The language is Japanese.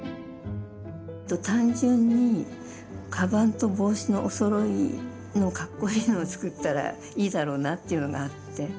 単純にカバンと帽子のおそろいのカッコイイのを作ったらいいだろうなっていうのがあって。